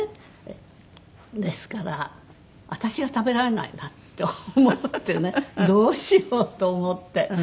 ですから私が食べられないなって思ってねどうしようと思って。